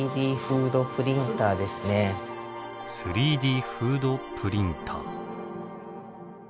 ３Ｄフードプリンター。